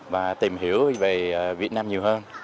và tìm hiểu về việt nam nhiều hơn